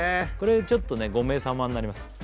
これちょっとねね５名様になります